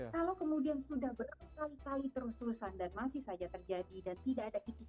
kalau kemudian sudah berkali kali terus terusan dan masih saja terjadi dan tidak ada titik